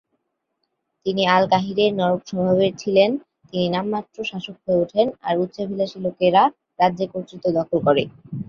তিনি আল-কাহিরের নরম স্বভাবের ছিলেন, তিনি নামমাত্র শাসক হয়ে ওঠেন, আর উচ্চাভিলাষী লোকেরা রাজ্যে কর্তৃত্ব দখল করে।